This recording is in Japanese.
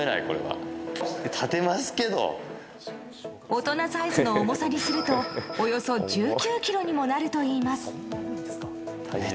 大人サイズの重さにするとおよそ１９ｋｇにもなるといいます。